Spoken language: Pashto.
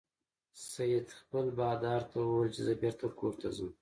سید خپل بادار ته وویل چې زه بیرته کور ته ځم.